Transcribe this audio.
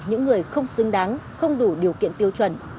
những người không xứng đáng không đủ điều kiện tiêu chuẩn